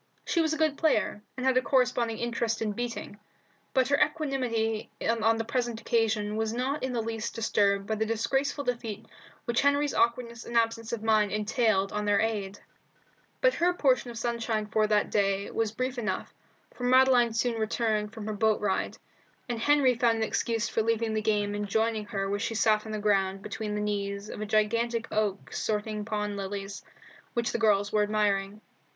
She was a good player, and had a corresponding interest in beating, but her equanimity on the present occasion was not in the least disturbed by the disgraceful defeat which Henry's awkwardness and absence of mind entailed on their aide. But her portion of sunshine for that day was brief enough, for Madeline soon returned from her boat ride, and Henry found an excuse for leaving the game and joining her where she sat on the ground between the knees of a gigantic oak sorting pond lilies, which the girls were admiring.